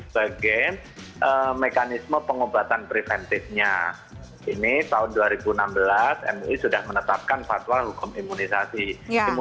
bagaimana status kehalalan vaksin mr produk sti yang digunakan untuk kepentingan imunisasi mr